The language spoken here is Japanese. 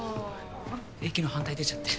駅の反対出ちゃって。